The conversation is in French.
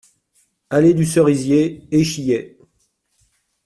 Allée du Cerisier, Échillais